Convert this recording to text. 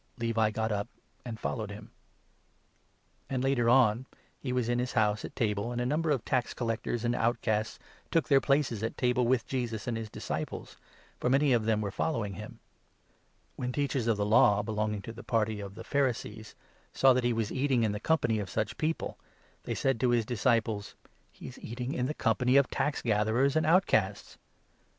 " Levi got up and followed him. And later on he was in his house at table, and a number of 15 tax gatherers and outcasts took their places at table with Jesus and his disciples ; for many of them were following him. When 16 the Teachers of the Law belonging to the party of the Pharisees saw that he was eating in the company of such people, they said to his disciples :" He is eating in the company of tax gatherers and out casts